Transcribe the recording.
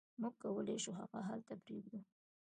موږ کولی شو هغه هلته پریږدو